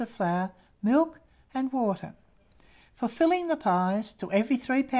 of flour, milk, and water. For filling the pies, to every 3 lbs.